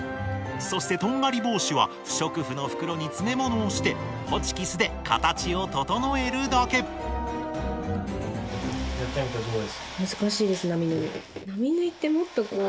そしてとんがり帽子は不織布の袋に詰め物をしてホチキスで形を整えるだけ頑張れ頑張れ。